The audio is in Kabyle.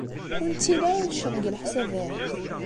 Ur nettili ara necceḍ deg leḥsabat?